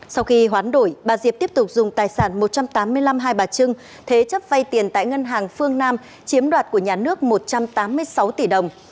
sau khi hoán đổi bà diệp tiếp tục dùng tài sản một trăm tám mươi năm hai bà trưng thế chấp vay tiền tại ngân hàng phương nam chiếm đoạt của nhà nước một trăm tám mươi sáu tỷ đồng